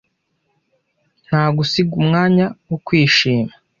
ntagusiga umwanya wo kwishima